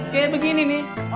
kayak begini nih